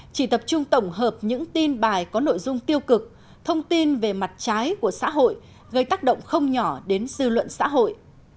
chỉ tập trung tổng hợp những tin bài có nội dung tiêu cực thông tin về mặt trái của xã hội gây tác động không nhỏ đến dư luận xã hội